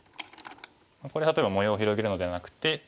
これ例えば模様を広げるのではなくて。